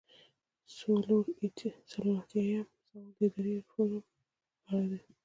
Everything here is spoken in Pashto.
څلور ایاتیام سوال د اداري ریفورم په اړه دی.